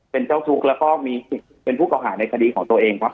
เป็นเจ้าทุกข์แล้วก็มีสิทธิ์เป็นผู้เก่าหาในคดีของตัวเองครับ